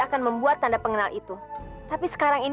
aku menang lagi